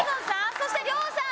そして亮さん。